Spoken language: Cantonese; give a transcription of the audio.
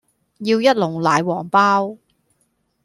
要一籠奶黃包